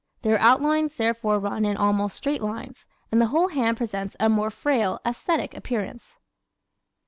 Their outlines therefore run in almost straight lines and the whole hand presents a more frail, aesthetic appearance.